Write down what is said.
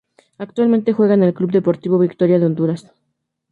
Actualmente juega en el Club Deportivo Victoria de Honduras.